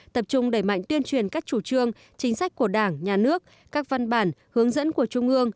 tập trung đẩy mạnh tuyên truyền các chủ trương chính sách của đảng nhà nước các văn bản hướng dẫn của trung ương